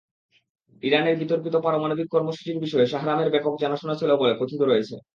ইরানের বিতর্কিত পারমাণবিক কর্মসূচির বিষয়ে শাহরামের ব্যাপক জানাশোনা ছিল বলে কথিত রয়েছে।